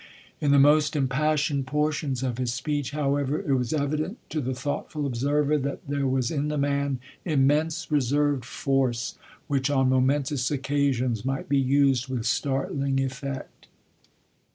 In the most impassioned portions of his speech, however, it was evident to the thoughtful observer that there was in the man immense reserved force which on momentous occasions might be used with startling effect.